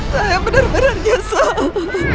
saya benar benar nyesel